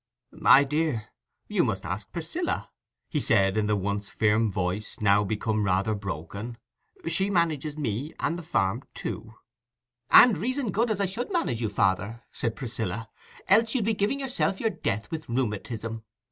"My dear, you must ask Priscilla," he said, in the once firm voice, now become rather broken. "She manages me and the farm too." "And reason good as I should manage you, father," said Priscilla, "else you'd be giving yourself your death with rheumatism.